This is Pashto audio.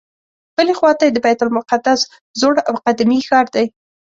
بلې خواته یې د بیت المقدس زوړ او قدیمي ښار دی.